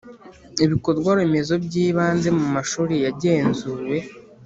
Ibikorwaremezo by ibanze mu mashuri yagenzuwe